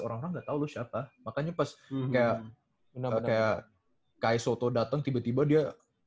orang orang gak tau lu siapa makanya pas kayak menambah kayak kai soto datang tiba tiba dia